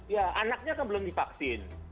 ya anaknya kan belum divaksin